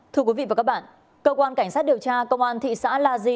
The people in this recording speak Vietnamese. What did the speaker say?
thưa quý vị và các bạn cơ quan cảnh sát điều tra công an thị xã la di